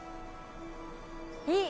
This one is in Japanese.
いい！